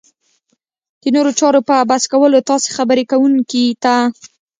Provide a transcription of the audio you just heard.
د نورو چارو په بس کولو تاسې خبرې کوونکي ته